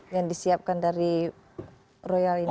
yang disiapkan dari royal ini